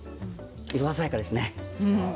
色鮮やかですね。